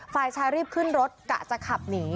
ฝ่ายชายรีบขึ้นรถกะจะขับหนี